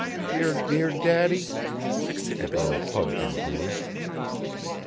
dear, dear Daddy!" the girl hugged him to her.